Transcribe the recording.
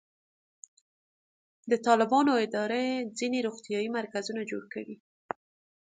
د طالبانو اداره ځینې روغتیایي مرکزونه جوړ کړي.